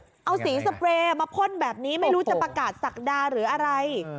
เอาสีสเปรย์มาพ่นแบบนี้ไม่รู้จะประกาศศักดาหรืออะไร